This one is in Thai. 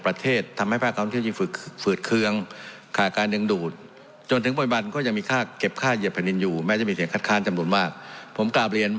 เราอาจจะได้ถึง๗ล้านรับ